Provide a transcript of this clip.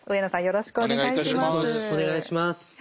よろしくお願いします。